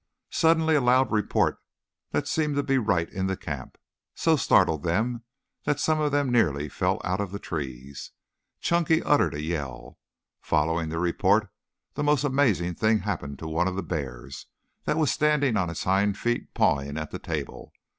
Suddenly a loud report that seemed to be right in the camp, so startled them that some of them nearly fell out of the trees. Chunky uttered a yell. Following the report, the most amazing thing happened to one of the bears that was standing on its hind feet pawing at the table.